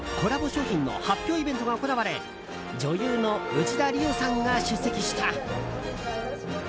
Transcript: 商品の発表会イベントが行われ女優の内田理央さんが出席した。